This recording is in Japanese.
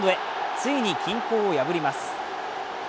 ついに均衡を破ります。